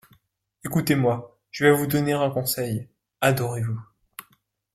Écoutez-moi ; je vais vous donner un conseil: adorez-vous.